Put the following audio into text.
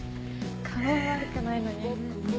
顔は悪くないのにね。